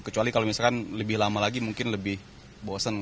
kecuali kalau misalkan lebih lama lagi mungkin lebih bosen